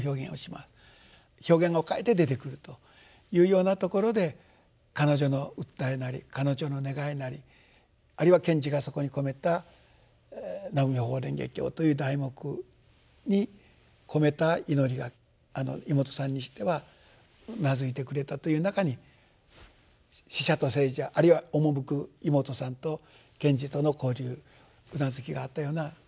表現を変えて出てくるというようなところで彼女の訴えなり彼女の願いなりあるいは賢治がそこに込めた「南無妙法蓮華経」という題目に込めた祈りが妹さんにしてはうなずいてくれたという中に死者と生者あるいは赴く妹さんと賢治との交流うなずきがあったような。